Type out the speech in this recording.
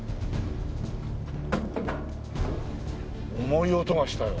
重い音がしたよ。